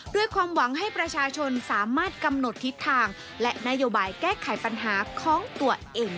แล้วก็เล่าให้ฝันถึงความลำบากความยากของมัน